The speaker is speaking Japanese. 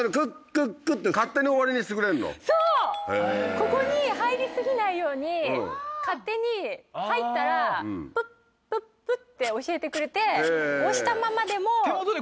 ここに入り過ぎないように勝手に入ったらプップップッて教えてくれて押したままでも。